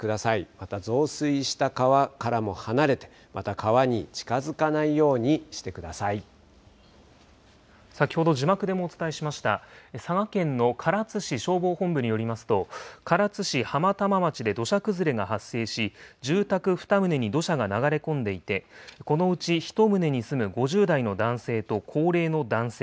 また増水した川からも離れて、また川に近づかないようにしてくだ先ほど字幕でもお伝えしました、佐賀県の唐津市消防本部によりますと、唐津市浜玉町で土砂崩れが発生し、住宅２棟に土砂が流れ込んでいて、このうち１棟に住む５０代の男性と高齢の男性、